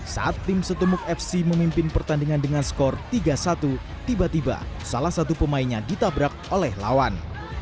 saat tim setumuk fc memimpin pertandingan dengan skor tiga satu tiba tiba salah satu pemainnya ditabrak oleh lawan